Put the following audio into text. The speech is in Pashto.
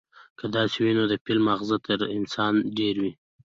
که داسې وي، نو د فيل ماغزه تر انسانه ډېر وي،